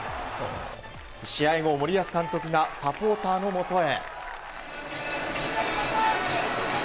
試合後、森保監督がサポーターのもとへ。